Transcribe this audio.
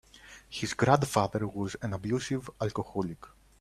His grandfather was an abusive alcoholic.